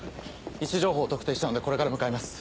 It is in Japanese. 位置情報を特定したのでこれから向かいます。